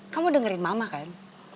kamu dengerin mama kan